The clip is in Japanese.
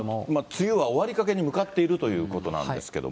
梅雨は終わりかけに向かっているということなんですけれども。